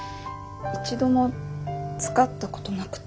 一度も使ったことなくて。